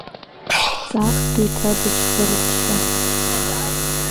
Дҵаахт еиҭа дыҽхырччо.